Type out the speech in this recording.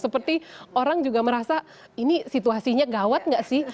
seperti orang juga merasa ini situasinya gawat nggak sih